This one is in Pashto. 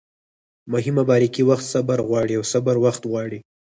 مهمه باریکي: وخت صبر غواړي او صبر وخت غواړي